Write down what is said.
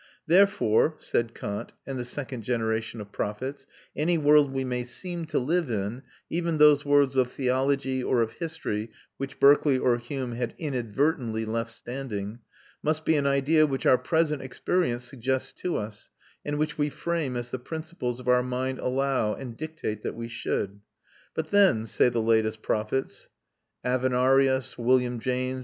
Therefore, said Kant and the second generation of prophets, any world we may seem to live in, even those worlds of theology or of history which Berkeley or Hume had inadvertently left standing, must be an idea which our present experience suggests to us and which we frame as the principles of our mind allow and dictate that we should. But then, say the latest prophets Avenarius, William James, M.